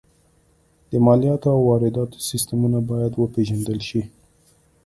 د مالیاتو او وارداتو سیستمونه باید وپېژندل شي